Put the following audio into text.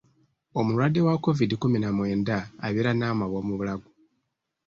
Omulwadde wa Kovidi kkumi na mwenda abeera n'amabwa mu bulago.